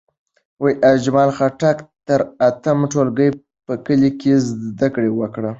اجمل خټک تر اتم ټولګی په کلي کې زدکړې وکړې.